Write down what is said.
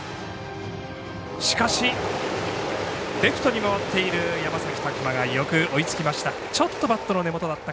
レフトに回っている山崎琢磨がよく追いつきました。